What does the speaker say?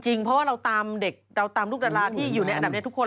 เพราะว่าเราตามเด็กเราตามลูกดาราที่อยู่ในอันดับนี้ทุกคน